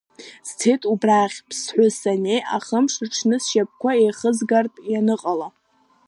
Сцеит убрахь Ԥсҳәы саннеи ахымш рыҽны, сшьапқәа еихызгартә ианыҟала.